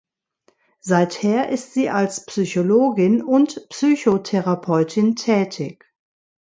Seither ist sie als Psychologin und Psychotherapeutin tätig.